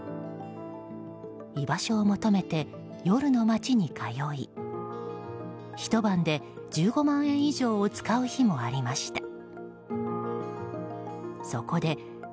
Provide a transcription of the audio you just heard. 居場所を求めて夜の街に通いひと晩で１５万円以上を使う日もありました。